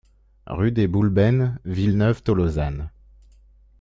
RUE DES BOULBENES, Villeneuve-Tolosane